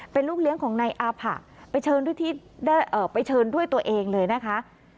เป็นลูกเลี้ยงของนายอาผะไปเชิญไปเชิญด้วยตัวเองเลยนะคะ